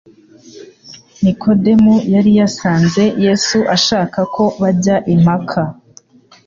Nikodemu yari yasanze Yesu ashaka ko bajya impaka,